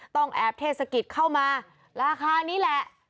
ต้องแอบเทศกิจเข้ามาราคานี้แหละ